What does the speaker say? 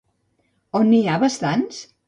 On n'hi ha bastants?